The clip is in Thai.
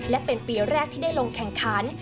และเป็นปีแรกที่ได้ลงแข่งขัน